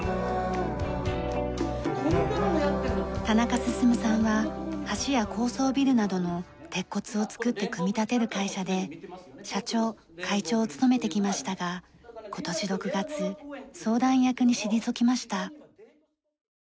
田中進さんは橋や高層ビルなどの鉄骨を造って組み立てる会社で社長会長を務めてきましたが今年６月相談役に退きました。